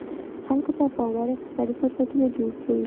خلکو ته پاموړ اقتصادي فرصتونه جوړ کړي.